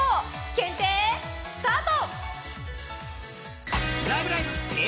検定スタート！